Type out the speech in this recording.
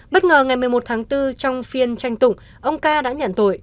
bất ngờ ngày một mươi một tháng bốn trong phiên tranh tụng ông ca đã nhận tội